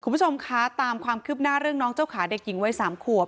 คุณผู้ชมคะตามความคืบหน้าเรื่องน้องเจ้าขาเด็กหญิงวัย๓ขวบ